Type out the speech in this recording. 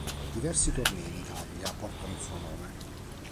Diversi tornei in Italia portano il suo nome.